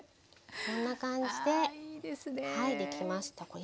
こんな感じではいできました。